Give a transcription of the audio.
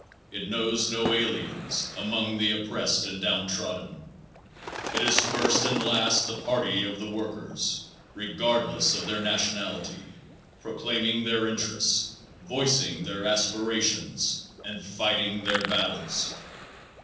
It knows no aliens among the oppressed and down trodden. It is first and last the party of the workers, regardless of their nationality, proclaiming their interests, voicing their aspirations, and fighting their battles.